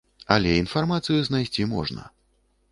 Але інфармацыю знайсці можна.